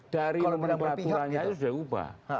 dari memperaturannya itu sudah ubah